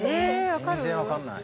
全然わかんない。